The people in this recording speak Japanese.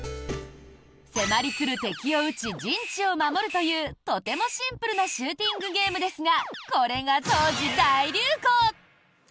迫り来る敵を撃ち陣地を守るというとてもシンプルなシューティングゲームですがこれが当時大流行！